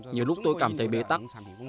nhiều lúc tôi cảm thấy bế tắc